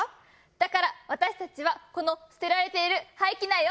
だから私たちはこの捨てられている廃棄苗を。